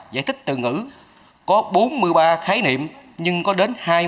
giải thích từ ngữ có bốn mươi ba khái niệm nhưng có đến